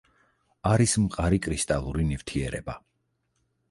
არის მყარი კრისტალური ნივთიერება.